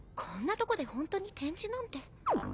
こんなとこでホントに展示なんて。